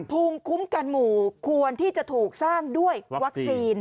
ภูมิคุ้มกันหมู่ควรที่จะถูกสร้างด้วยวัคซีน